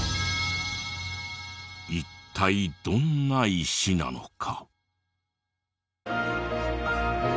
一体どんな石なのか？